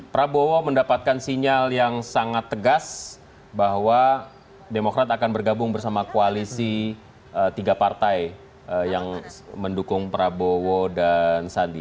prabowo mendapatkan sinyal yang sangat tegas bahwa demokrat akan bergabung bersama koalisi tiga partai yang mendukung prabowo dan sandi